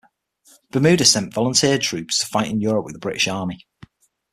Bermuda sent volunteer troops to fight in Europe with the British Army.